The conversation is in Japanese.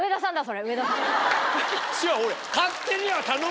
違う俺。